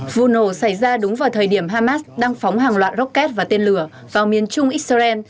vụ nổ xảy ra đúng vào thời điểm hamas đang phóng hàng loạt rocket và tên lửa vào miền trung israel